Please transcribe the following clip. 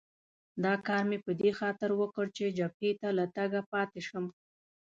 دا کار مې په دې خاطر وکړ چې جبهې ته له تګه پاتې شم.